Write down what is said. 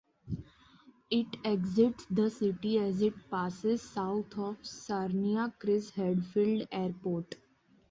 It exits the city as it passes south of Sarnia Chris Hadfield Airport.